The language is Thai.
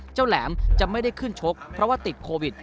แหลมจะไม่ได้ขึ้นชกเพราะว่าติดโควิด